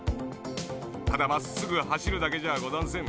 ただまっすぐはしるだけじゃあござんせん。